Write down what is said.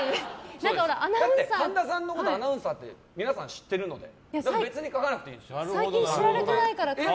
神田さんのことアナウンサーとみんな知ってるので別に書かなくていいですよ。